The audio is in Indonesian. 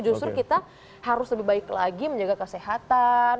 justru kita harus lebih baik lagi menjaga kesehatan